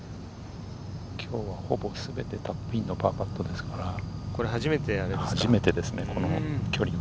今日はほぼすべてカップインのパーパットですから、初めてですね、この距離は。